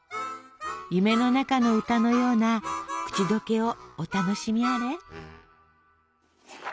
夢の中の歌のような口どけをお楽しみあれ。